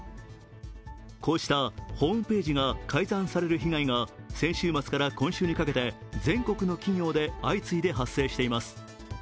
こうさいたホームページが改ざんされる被害は先週末から今週にかけて全国の企業で相次いで発生しています。